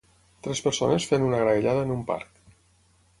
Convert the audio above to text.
Tres persones fent una graellada en un parc.